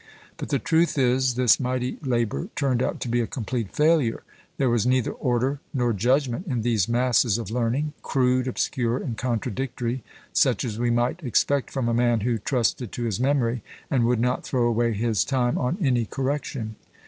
But the truth is, this mighty labour turned out to be a complete failure: there was neither order nor judgment in these masses of learning; crude, obscure, and contradictory; such as we might expect from a man who trusted to his memory, and would not throw away his time on any correction.